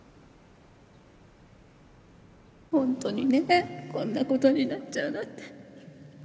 本当にねこんな事になっちゃうなんて。